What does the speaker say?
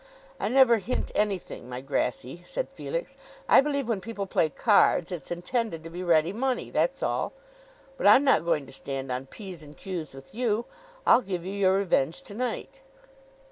"I never hint anything, my Grassy," said Felix. "I believe when people play cards, it's intended to be ready money, that's all. But I'm not going to stand on P's and Q's with you. I'll give you your revenge to night."